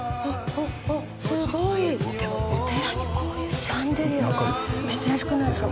すごい。お寺にこういうシャンデリアって珍しくないですか？